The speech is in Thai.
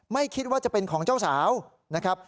ไม่คิดว่าจะเป็นของเจ้าสาวนะครับ